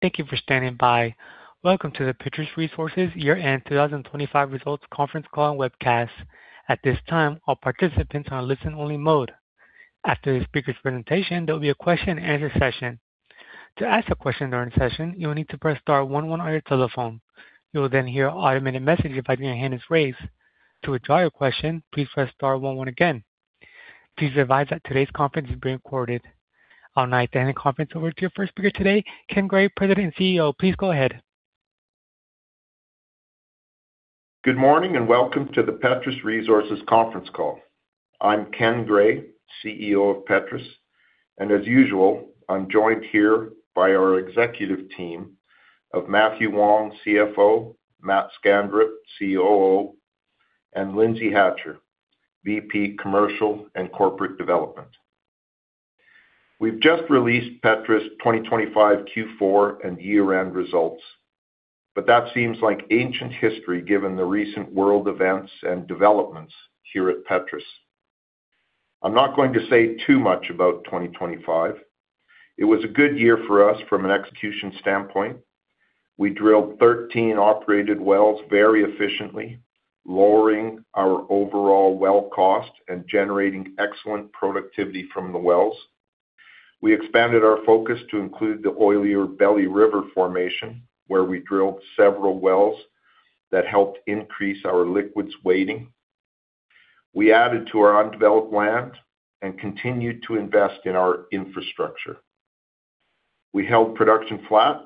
Thank you for standing by. Welcome to the Petrus Resources Year-End 2025 Results Conference Call and Webcast. At this time, all participants are in listen only mode. After the speaker presentation, there'll be a question and answer session. To ask a question during the session, you will need to press star one one on your telephone. You will then hear an automated message advising your hand is raised. To withdraw your question, please press star one one again. Please be advised that today's conference is being recorded. I'll now hand the conference over to your first speaker today, Ken Gray, President and CEO. Please go ahead. Good morning and welcome to the Petrus Resources conference call. I'm Ken Gray, CEO of Petrus, and as usual, I'm joined here by our executive team of Mathew Wong, CFO, Matt Skanderup, COO, and Lindsay Hatcher, VP Commercial and Corporate Development. We've just released Petrus's 2025 Q4 and year-end results, but that seems like ancient history given the recent world events and developments here at Petrus. I'm not going to say too much about 2025. It was a good year for us from an execution standpoint. We drilled 13 operated wells very efficiently, lowering our overall well cost and generating excellent productivity from the wells. We expanded our focus to include the oilier Belly River formation, where we drilled several wells that helped increase our liquids weighting. We added to our undeveloped land and continued to invest in our infrastructure. We held production flat,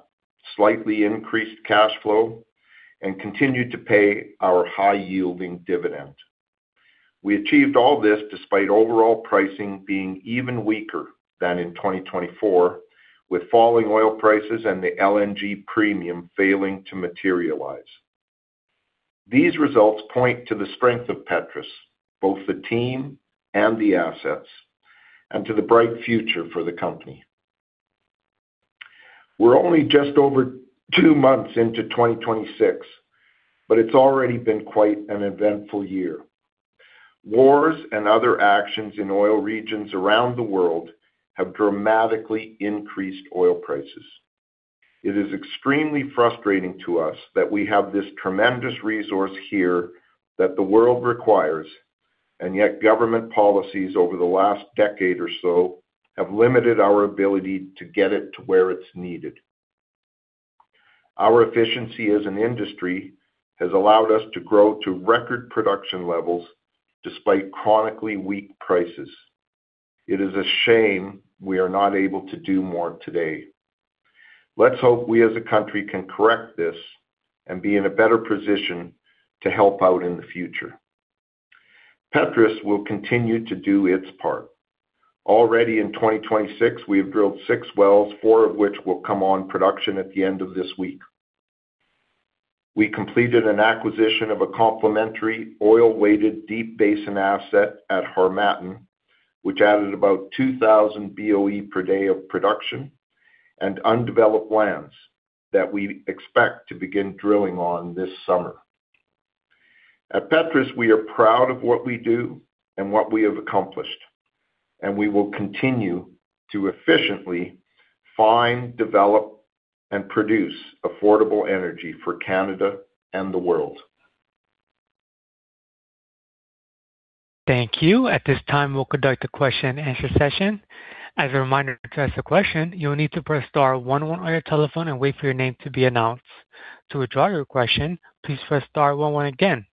slightly increased cash flow, and continued to pay our high-yielding dividend. We achieved all this despite overall pricing being even weaker than in 2024, with falling oil prices and the LNG premium failing to materialize. These results point to the strength of Petrus, both the team and the assets, and to the bright future for the company. We're only just over two months into 2026, but it's already been quite an eventful year. Wars and other actions in oil regions around the world have dramatically increased oil prices. It is extremely frustrating to us that we have this tremendous resource here that the world requires, and yet government policies over the last decade or so have limited our ability to get it to where it's needed. Our efficiency as an industry has allowed us to grow to record production levels despite chronically weak prices. It is a shame we are not able to do more today. Let's hope we as a country can correct this and be in a better position to help out in the future. Petrus will continue to do its part. Already in 2026, we have drilled six wells, four of which will come on production at the end of this week. We completed an acquisition of a complementary oil-weighted Deep Basin asset at Harmattan, which added about 2,000 BOE per day of production and undeveloped lands that we expect to begin drilling on this summer. At Petrus, we are proud of what we do and what we have accomplished, and we will continue to efficiently find, develop, and produce affordable energy for Canada and the world. Thank you. At this time, we'll conduct a question and answer session. As a reminder, to ask a question, you will need to press star one one on your telephone and wait for your name to be announced. To withdraw your question, please press star one one again.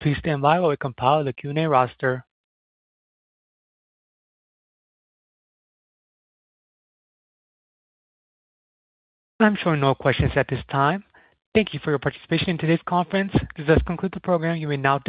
Please stand by while we compile the Q&A roster. I'm showing no questions at this time. Thank you for your participation in today's conference. This does conclude the program. You may now disconnect.